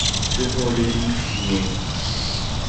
Co hoole diŋ cuu nee.